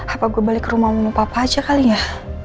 apa gue balik ke rumah mau mumpah apa aja kali ya